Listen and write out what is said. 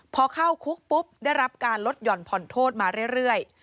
พอเข้าคุกปุ๊บได้รับการลดหย่อนผ่อนโทษมาเรื่อย